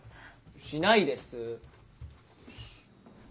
しないです。